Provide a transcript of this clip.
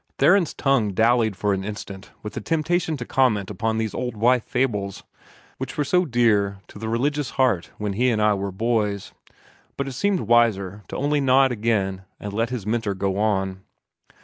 Theron's tongue dallied for an instant with the temptation to comment upon these old wife fables, which were so dear to the rural religious heart when he and I were boys. But it seemed wiser to only nod again, and let his mentor go on.